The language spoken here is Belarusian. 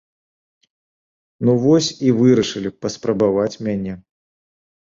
Ну вось і вырашылі паспрабаваць мяне.